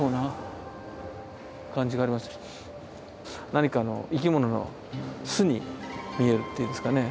何かの生き物の巣に見えるっていうんですかね。